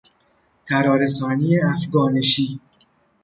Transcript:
ترارسانی افگانشی